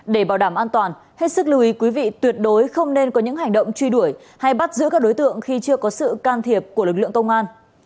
để bảo đảm an toàn hết sức lưu ý quý vị tuyệt đối không nên có những hành động truy đuổi hay bắt giữ các đối tượng khi chưa có sự can thiệp của lực lượng công an